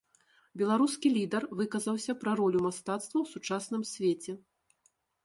Беларускі лідар выказаўся пра ролю мастацтва ў сучасным свеце.